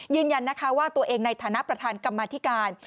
ยืนยันนะคะว่าตัวเองในฐานะประธานกรรมธิการ